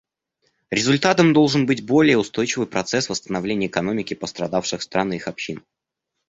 Результатом должен быть более устойчивый процесс восстановления экономики пострадавших стран и их общин.